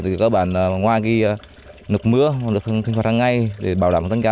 thì các bạn ngoài nước mưa nước sinh hoạt hàng ngày để bảo đảm tăng giá